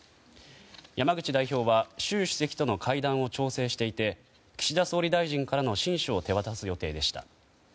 山口代表は習主席との会談を調整していて岸田総理大臣からの親書を手渡す予定でした。